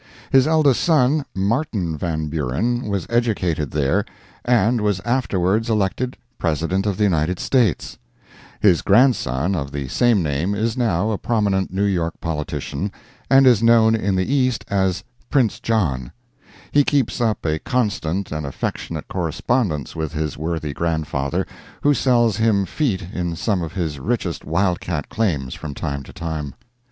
His eldest son, Martin Van Buren, was educated there, and was afterwards elected President of the United States; his grandson, of the same name, is now a prominent New York politician, and is known in the East as 'Prince John;' he keeps up a constant and affectionate correspondence with his worthy grandfather, who sells him feet in some of his richest wildcat claims from time to time.